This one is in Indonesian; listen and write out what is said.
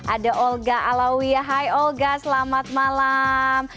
ada olga alawiah hai olga selamat malam